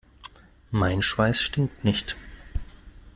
Mein Schweiß stinkt nicht.